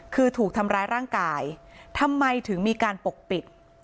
คือถูกทำร้ายร่างกายทำไมถึงมีการปกปิด